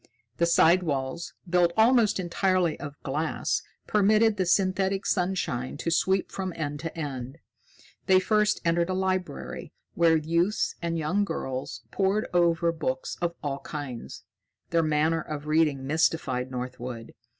The side walls, built almost entirely of glass, permitted the synthetic sunshine to sweep from end to end. They first entered a library, where youths and young girls poured over books of all kinds. Their manner of reading mystified Northwood.